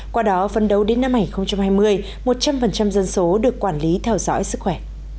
qua đó phân đấu đến năm hai nghìn hai mươi một trăm linh dân số được quản lý theo dõi sức khỏe